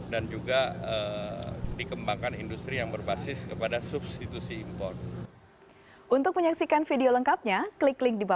dan juga dikembangkan industri yang berbasis kepada substitusi impor